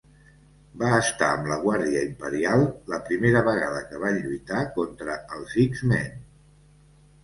Va estar amb la Guàrdia Imperial la primera vegada que van lluitar contra els X-Men.